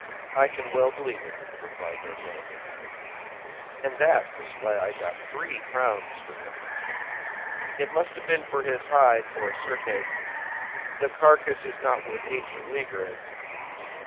"I can well believe it," replied D'Artagnan, "and that was why I got three crowns for him. It must have been for his hide, for, certes, the carcass is not worth eighteen livres.